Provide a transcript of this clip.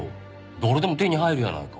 誰でも手に入るやないか。